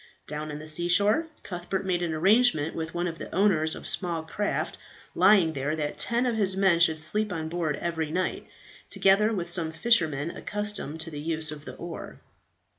Down on the sea shore, Cuthbert made an arrangement with one of the owners of small craft lying there that ten of his men should sleep on board every night, together with some fishermen accustomed to the use of the oar.